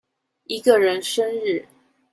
一個人生日